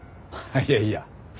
いやいや。